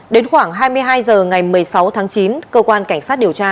đến khoảng hai mươi hai h ngày một mươi sáu tháng chín cơ quan cảnh sát điều tra